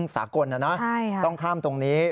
สากลนะนะต้องข้ามตรงนี้